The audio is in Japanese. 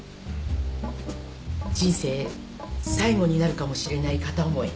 人生最後になるかもしれない片思い。